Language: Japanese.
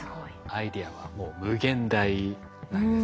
アイデアはもう無限大なんですね。